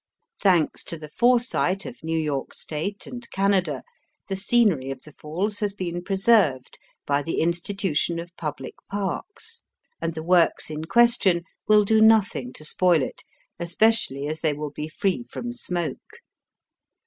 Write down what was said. Thanks to the foresight of New York State and Canada, the scenery of the Falls has been preserved by the institution of public parks, and the works in question will do nothing to spoil it, especially as they will be free from smoke.